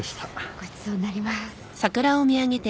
ごちそうになります。